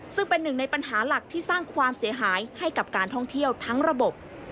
ซึ่งเป็นหนึ่งในปัญหาหลักที่สร้างความเสียหายให้กับการท่องเที่ยวทั้งระบบ